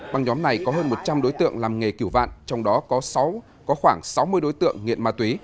băng nhóm này có hơn một trăm linh đối tượng làm nghề kiểu vạn trong đó có khoảng sáu mươi đối tượng nghiện ma túy